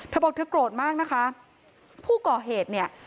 เธอบอกเธอโกรธมากนะคะผู้ก่อเหตุเนี่ย